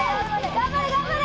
頑張れ頑張れ！